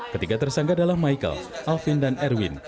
ketiga tersangka adalah michael alvin dan erwin